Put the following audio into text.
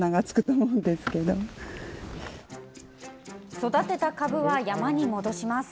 育てた株は山に戻します。